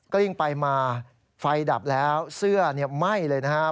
กลิ้งไปมาไฟดับแล้วเสื้อไหม้เลยนะครับ